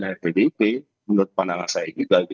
dari pdip menurut pandangan saya juga